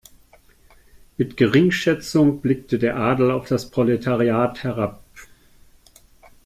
Mit Geringschätzung blickte der Adel auf das Proletariat herab.